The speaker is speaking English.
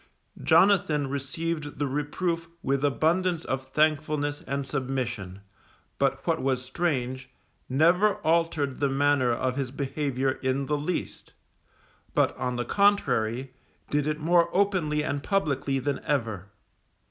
Jonathan received the reproof with abundance of thankfulness and submission, but what was strange, never altered the manner of his behaviour in the least; but on the contrary, did it more openly and publicly than ever.